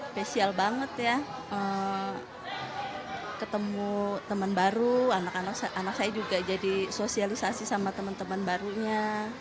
spesial banget ya ketemu teman baru anak anak saya juga jadi sosialisasi sama teman teman barunya